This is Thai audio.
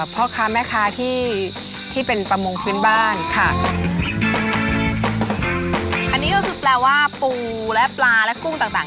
พ่อค้าแม่ค้าที่ที่เป็นประมงพื้นบ้านค่ะอันนี้ก็คือแปลว่าปูและปลาและกุ้งต่างต่าง